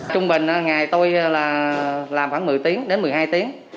trung bình ngày tôi làm khoảng một mươi đến một mươi hai tiếng